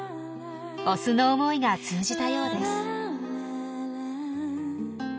オスの思いが通じたようです。